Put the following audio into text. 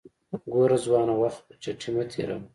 ګوره ځوانه وخت چټي مه تیروه